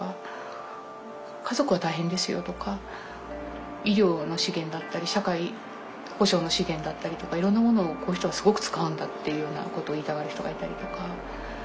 家族は大変ですよとか医療の資源だったり社会保障の資源だったりとかいろんなものをこういう人はすごく使うんだっていうようなことを言いたがる人がいたりとか。